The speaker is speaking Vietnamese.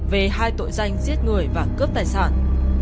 về hai tội danh giết người và cướp tài sản